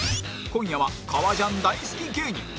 今夜は革ジャン大好き芸人